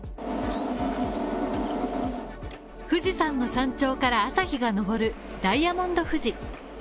富士山の山頂から朝日が昇るダイヤモンド富士。